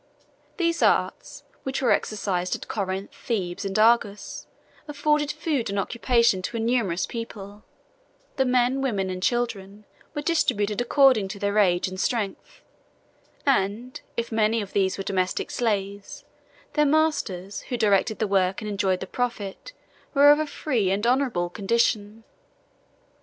These arts, which were exercised at Corinth, Thebes, and Argos, afforded food and occupation to a numerous people: the men, women, and children were distributed according to their age and strength; and, if many of these were domestic slaves, their masters, who directed the work and enjoyed the profit, were of a free and honorable condition.